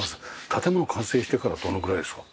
建物完成してからどのぐらいですか？